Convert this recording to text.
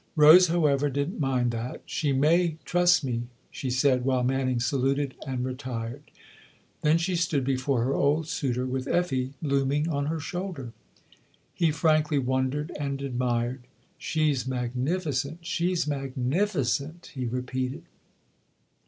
Rose, however, didn't mind that. " She may trust me," she said, while Manning saluted and retired. Then she stood before her old suitor with Effie blooming on her shoulder. He frankly wondered and admired. " She's magnificent she's magnificent !" he repeated.